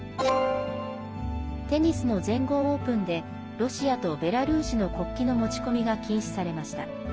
テニスの全豪オープンでロシアとベラルーシの国旗の持ち込みが禁止されました。